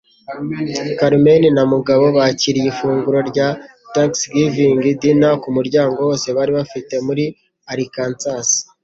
Carmen na Mugabo bakiriye ifunguro rya Thanksgiving Dinner kumuryango wose bari bafite muri Arkansas.